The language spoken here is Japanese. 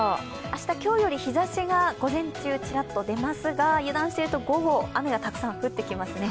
明日、今日より日ざしが午前中ちらっと出ますが油断していると午後、雨がたくさん降ってきますね。